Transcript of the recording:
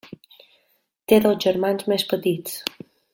Té dos germans més petits.